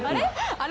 あれ？